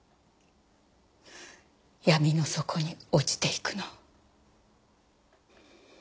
闇の底に落ちていくの。